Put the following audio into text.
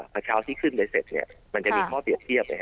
พอเช้าที่ขึ้นไปเสร็จมันจะมีข้อเปรียบเทียบ